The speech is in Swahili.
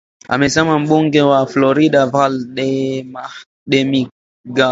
amesema mbunge wa Florida Val Demingas